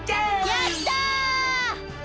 やった！